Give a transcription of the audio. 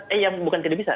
eh ya yang tidak bisa